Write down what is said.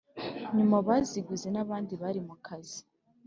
Nyuma baziguze n’abandi bari mu kazi